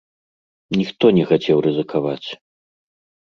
Ніхто не хацеў рызыкаваць!